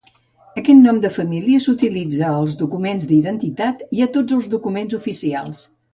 Aquest nom de família s'utilitza als documents d'identitat i a tots els documents oficials.